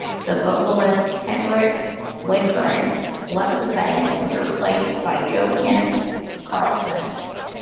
The vocalist Henrik Wenngren left the band and was replaced by Joakim Karlsson.